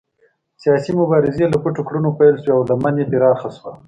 سیاسي مبارزې له پټو کړنو پیل شوې او لمن یې پراخه شوه.